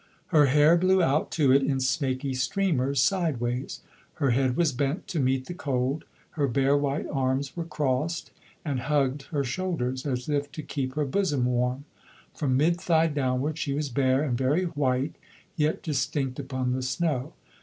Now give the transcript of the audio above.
Her hair blew out to it in snaky streamers, sideways. Her head was bent to meet the cold, her bare white arms were crossed, and hugged her shoulders, as if to keep her bosom warm. From mid thigh downward she was bare and very white, yet distinct upon the snow.